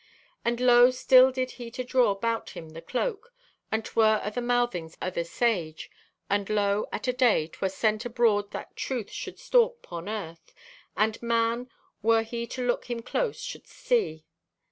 "And lo, still did he to draw 'bout him the cloak, and 'twer o' the mouthings o' the sage. And lo, at a day 'twer sent abroad that Truth should stalk 'pon Earth, and man, were he to look him close, shouldst see.